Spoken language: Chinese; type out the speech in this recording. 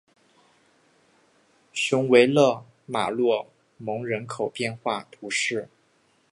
雄维勒马洛蒙人口变化图示